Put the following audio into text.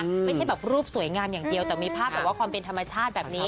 ไม่ใช่แบบรูปสวยงามอย่างเดียวแต่มีภาพแบบว่าความเป็นธรรมชาติแบบนี้